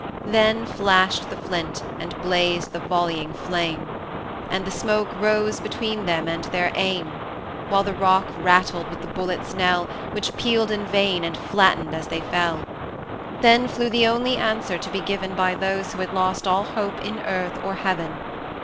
Then flashed the flint, and blazed the volleying flame, And the smoke rose between them and their aim, While the rock rattled with the bullets' knell, Which pealed in vain, and flattened as they fell; Then flew the only answer to be given By those who had lost all hope in earth or heaven.